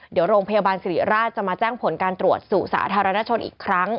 เดี๋ยวโรงพยาบาลสิริราชจะมาแจ้งผลการตรวจสู่สาธารณชนอีกครั้ง